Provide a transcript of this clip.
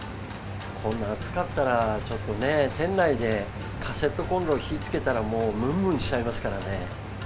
こんな暑かったら、ちょっとね、店内でカセットコンロ火つけたら、もうむんむんしちゃいますからね。